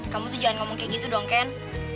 kamu tuh jangan ngomong kayak gitu dong ken